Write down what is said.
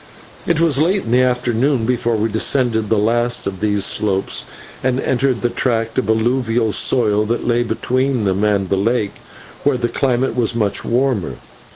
It was late in the afternoon before we descended the last of these slopes and entered the tract of alluvial soil that lay between them and the lake, where the climate was much warmer.